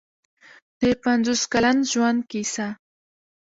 د پنځوس کلن ژوند کیسه.